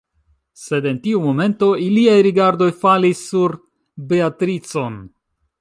Sed en tiu momento iliaj rigardoj falis sur Beatricon.